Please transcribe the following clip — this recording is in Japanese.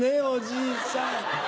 おじいさん。